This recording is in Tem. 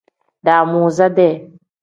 Daamuside.